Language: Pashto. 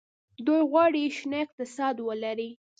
دوی غواړي شنه اقتصاد ولري.